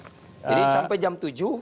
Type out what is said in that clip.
jadi sampai jam tujuh